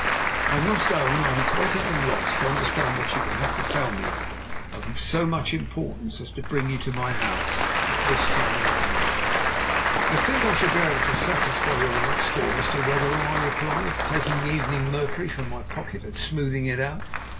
"I must own I am quite at a loss to understand what you can have to tell me of so much importance as to bring you to my house at this time of night." "I think I shall be able to satisfy you on that score, Mr. Wetherell," I replied, taking the Evening Mercury from my pocket and smoothing it out.